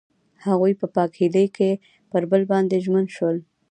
هغوی په پاک هیلې کې پر بل باندې ژمن شول.